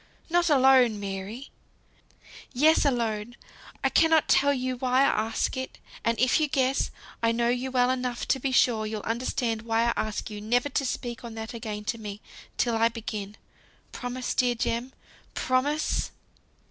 "Not alone, Mary!" "Yes, alone! I cannot tell you why I ask it. And if you guess, I know you well enough to be sure you'll understand why I ask you never to speak on that again to me, till I begin. Promise, dear Jem, promise!"